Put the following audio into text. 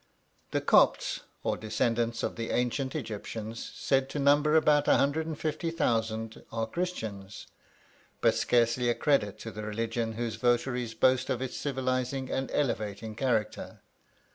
The Copts, or descendants of the ancient Egyptians, said to number about 150,000, are Christians, but scarcely a credit to that religion whose votaries boast of its civilising and elevating character.